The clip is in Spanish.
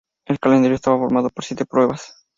El calendario estaba formado por siete pruebas.